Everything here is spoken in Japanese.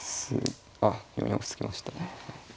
あっ４四歩突きましたね。